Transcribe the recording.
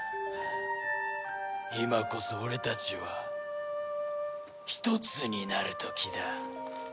今こそ俺たちはひとつになる時だ。